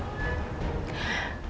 mei tau aku yang bilang itu rupanya